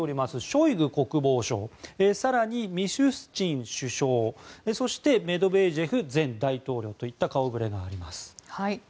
ショイグ国防相更にミシュスチン首相そしてメドベージェフ前大統領といった顔触れがあります。